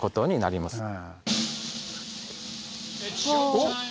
おっ。